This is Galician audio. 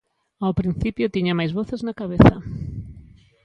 Ao principio tiña máis voces na cabeza.